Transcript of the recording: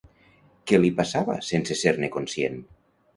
Què li passava sense ser-ne conscient?